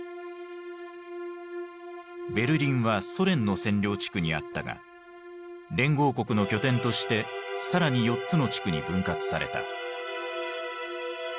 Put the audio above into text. ベルリンはソ連の占領地区にあったが連合国の拠点として更に４つの地区に分割された。